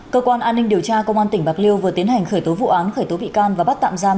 cơ quan an ninh điều tra công an tỉnh bạc liêu vừa tiến hành khởi tố vụ án khởi tố bị can và bắt tạm giam